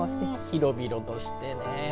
広々としてね。